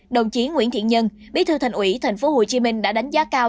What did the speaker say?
đồng chí nguyễn thiện nhân bí thư thành ủy tp hcm đã đánh giá cao